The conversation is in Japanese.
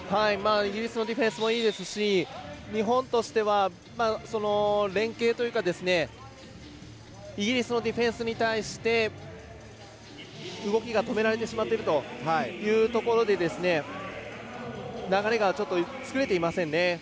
イギリスのディフェンスもいいですし日本としては連係というかイギリスのディフェンスに対して動きが止められてしまっているということで流れがちょっと作れていませんね。